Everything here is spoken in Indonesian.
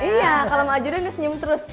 iya kalau mau ajudan dia senyum terus